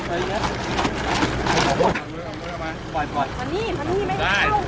เอามาให้เรา